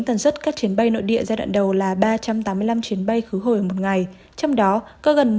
tần suất các chuyến bay nội địa giai đoạn đầu là ba trăm tám mươi năm chuyến bay khứ hồi một ngày trong đó có gần